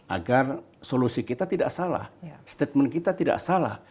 agar solusi kita tidak salah statement kita tidak salah